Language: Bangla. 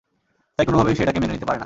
তাই কোনভাবেই সে এটাকে মেনে নিতে পারে না।